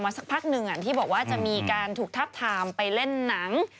สักพักหนึ่งที่บอกว่าจะมีการถูกทับทามไปเล่นหนัง